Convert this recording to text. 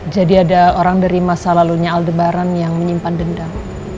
jadi ada orang dari masa lalunya aldebaran yang menyimpan dendam